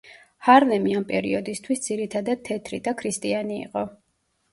ჰარლემი ამ პერიოდისთვის ძირითადად თეთრი და ქრისტიანი იყო.